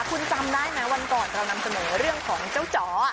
คุณจำได้ไหมวันก่อนเรานำเสนอเรื่องของเจ้าจ๋อ